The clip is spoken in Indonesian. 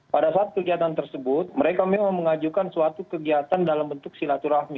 pada saat kegiatan tersebut mereka memang mengajukan suatu kegiatan dalam bentuk silaturahmi